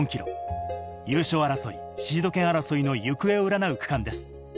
優勝争い、シード権争いの行方を占う区間です。